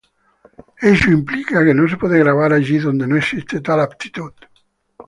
Ello implica que no se puede gravar allí donde no existe tal aptitud.